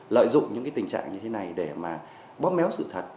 lợi dụng những tình trạng như thế này để bóp méo sự thật